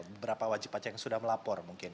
beberapa wajib pajak yang sudah melapor mungkin